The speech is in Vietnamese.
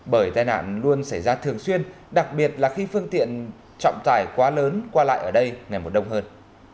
bởi tai nạn luôn xảy ra thường xuyên đặc biệt là khi phương tiện trọng tải quá lớn qua lại ở đây ngày mùa đông hơn